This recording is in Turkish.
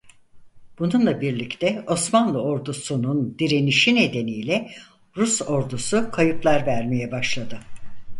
Bununla birlikte Osmanlı ordusunun direnişi nedeniyle Rus ordusu kayıplar vermeye başladı.